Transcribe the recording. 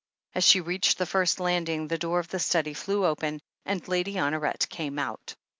As she reached the first landing the door of the study flew open, and Lady Honoret came out.